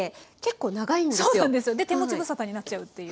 そうなんですよで手持ち無沙汰になっちゃうっていう。